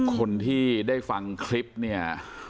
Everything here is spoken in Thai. คนที่ได้ฟังคลิปเนี่ย